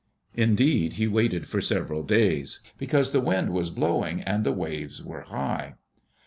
Indeed he waited for several days, because the wind was blowing and the waves were high.